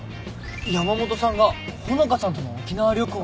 山本さんが穂香さんとの沖縄旅行を狙ってる？